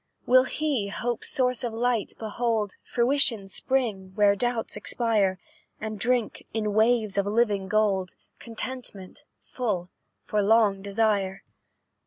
"Will he hope's source of light behold, Fruition's spring, where doubts expire, And drink, in waves of living gold, Contentment, full, for long desire?